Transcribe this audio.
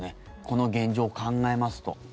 この現状を考えますと。